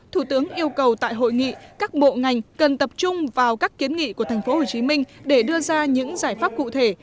thủ tướng yêu cầu tại hội nghị các bộ ngành cần tập trung vào các kiến nghị của thành phố hồ chí minh để đưa ra những giải pháp cụ thể